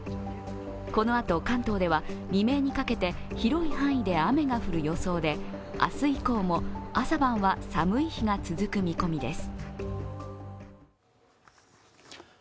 このあと、関東では未明にかけて広い範囲で雨が降る予想で明日以降も朝晩は寒い日が続く見込みです。